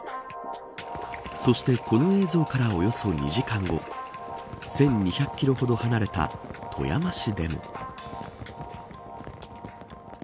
そして、この映像からおよそ２時間後１２００キロほど離れた富山市でも。